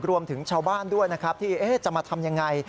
รวมถึงชาวบ้านด้วยนะครับที่จะมาทำยังไง